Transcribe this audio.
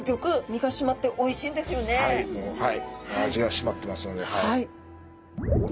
味がしまってますのではい。